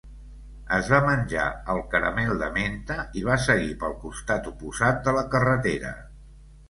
Es va menjar el caramel de menta i va seguir pel costat oposat de la carretera.